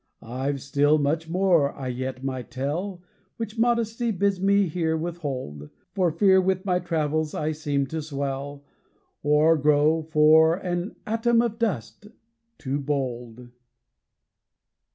I've still much more, I yet might tell, Which modesty bids me here withhold; For fear with my travels I seem to swell, Or grow, for an ATOM OF DUST, too bold!